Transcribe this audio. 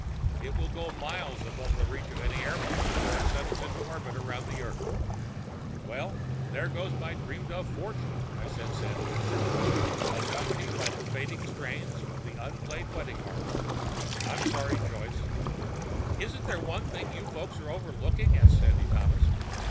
It will go miles beyond the reach of any airplane before it settles into an orbit around earth." "Well, there goes my dreamed of fortune," I said sadly. "Accompanied by the fading strains of an unplayed wedding march. I'm sorry, Joyce." "Isn't there one thing you folks are overlooking?" asked Sandy Thomas.